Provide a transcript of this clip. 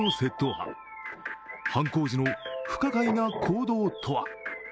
犯行時の不可解な行動とは。